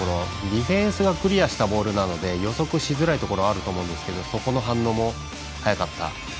ディフェンスがクリアしたボールなので予測しづらいところもあると思うんですけどそこの反応も早かった。